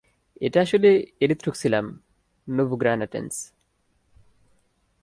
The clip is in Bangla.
এটা আসলে এরিথ্রোক্সিলাম নোভোগ্রানাটেন্স।